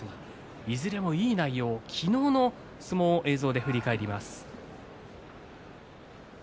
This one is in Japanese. いずれもいい内容、昨日の一番を映像で振り返ります。